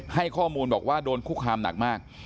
ให้ข้อมูลบอกว่าโดนคุกคามหนักมาก